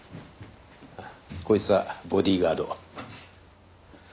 こいつはボディーガード。